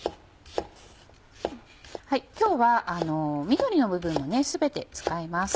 今日は緑の部分も全て使います。